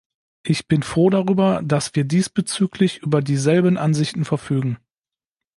Ich bin froh darüber, dass wir diesbezüglich über dieselben Ansichten verfügen.